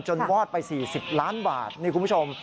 วอดไป๔๐ล้านบาทนี่คุณผู้ชม